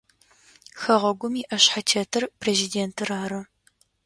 Хэгъэгум иӏэшъхьэтетыр президентыр ары.